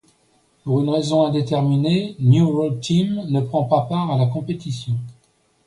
Pour une raison indéterminée, New Road Team ne prend pas part à la compétition.